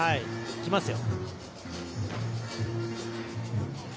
きますよ。